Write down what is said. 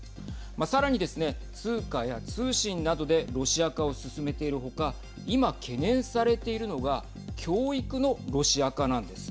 さらにですね、通貨や通信などでロシア化を進めているほか今、懸念されているのが教育のロシア化なんです。